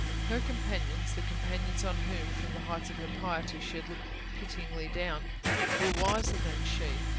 Her companions the companions on whom, from the heights of her piety, she had looked pityingly down were wiser than she.